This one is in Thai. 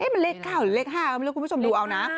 มันเลข๙หรือเลข๕ก็ไม่รู้คุณผู้ชมดูเอานะ